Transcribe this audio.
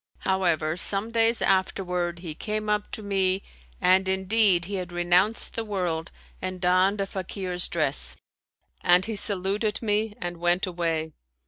However, some days afterward, he came up to me, and in deed he had renounced the world and donned a Fakir's dress; and he saluted me and went away.